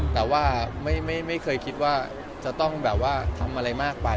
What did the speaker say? แต่ไม่เคยคิดว่าจะต้องทำอะไรมากไป